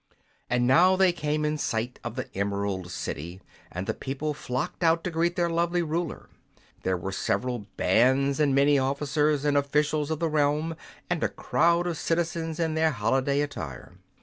And now they came in sight of the Emerald City, and the people flocked out to greet their lovely ruler. There were several bands and many officers and officials of the realm, and a crowd of citizens in their holiday attire.